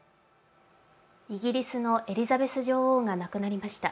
イギリスのエリザベス女王が亡くなりました。